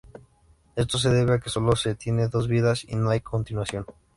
Esto se debe a que solo se tiene dos vidas y no hay continuación.